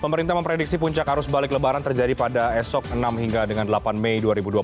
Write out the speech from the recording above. pemerintah memprediksi puncak arus balik lebaran terjadi pada esok enam hingga dengan delapan mei dua ribu dua puluh